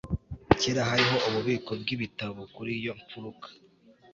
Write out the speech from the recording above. Kera hariho ububiko bwibitabo kuri iyo mfuruka